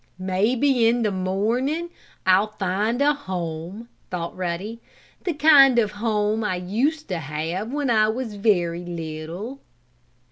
"Maybe, in the morning, I'll find a home," thought Ruddy. "The kind of a home I used to have when I was very little."